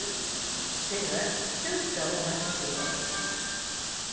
ではちょいとお待ちを。